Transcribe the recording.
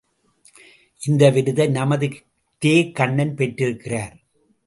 இந்த விருதை நமது தே.கண்ணன் பெற்றிருக்கிறார்!